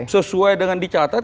sesuai dengan dicatat